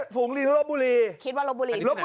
ฝูงลิง